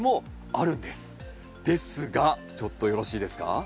ですがちょっとよろしいですか？